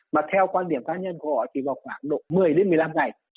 mà theo quan điểm cá nhân của họ thì vào khoảng độ một mươi đến một mươi năm ngày